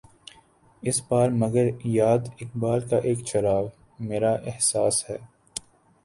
اس بار مگر یاد اقبال کا ایک چراغ، میرا احساس ہے